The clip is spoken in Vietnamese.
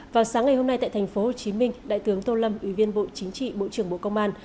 vào sáng ngày hôm nay tại thành phố hồ chí minh đại tướng tô lâm ủy viên bộ chính trị bộ trưởng bộ công an